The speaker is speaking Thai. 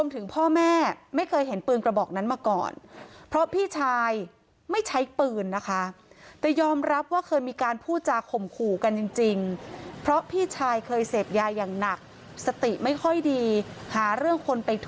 แต่ยอมรับว่าเคยมีการพูดจาข่มขู่กันจริงเพราะพี่ชายเคยเสพยาอย่างหนักสติไม่ค่อยดี